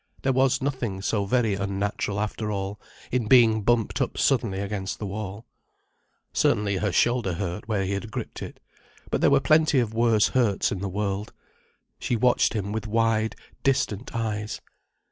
There was nothing so very unnatural, after all, in being bumped up suddenly against the wall. Certainly her shoulder hurt where he had gripped it. But there were plenty of worse hurts in the world. She watched him with wide, distant eyes.